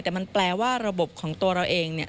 แต่มันแปลว่าระบบของตัวเราเองเนี่ย